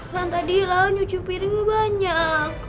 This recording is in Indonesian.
kan tadi lalu nyucup piringnya banyak